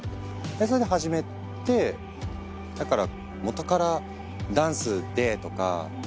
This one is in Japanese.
それで始めてだから。